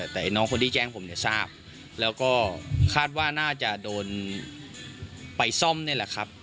แต่น้องคนที่แจ้งผมเนี่ยทราบแล้วก็คาดว่าน่าจะโดนไปซ่อมนี่แหละครับ